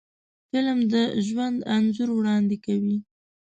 فلم د ژوند انځور وړاندې کوي